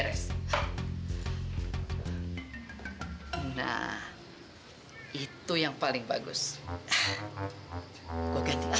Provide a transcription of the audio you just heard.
dan hanya omdat pasangan efek kalian